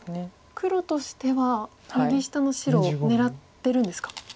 黒としては右下の白を狙ってるんですか？